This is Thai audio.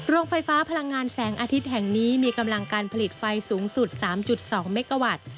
โรงไฟฟ้าพลังงานแสงอาทิตย์แห่งนี้มีกำลังการผลิตไฟสูงสุด๓๒เมกาวัตต์